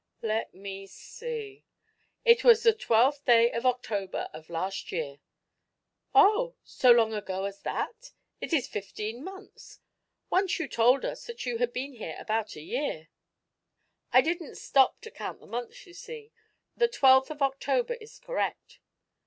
"Let me see. It was the twelfth day of October, of last year." "Oh! so long ago as that? It is fifteen months. Once you told us that you had been here about a year." "I didn't stop to count the months, you see. The twelfth of October is correct."